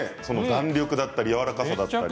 弾力だったりやわらかさだったり。